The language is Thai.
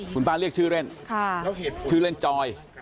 คุณป้าเรียกชื่อเล่นชื่อเล่นจอย